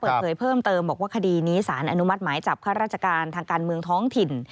เปิดเผยเพิ่มเติมบอกว่าคดีนี้สารอนุมัติหมายจับข้าราชการทางการเมืองท้องถิ่น